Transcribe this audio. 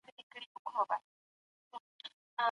تعلیمي بورسونه د ځوانانو استعدادونه غوړوي.